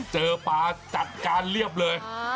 เจอปลาจัดการเรียบเลย